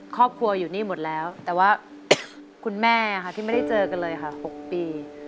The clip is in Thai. ครอบครัวอยู่นี่หมดแล้วแต่ว่าคุณแม่ค่ะที่ไม่ได้เจอกันเลยค่ะ๖ปี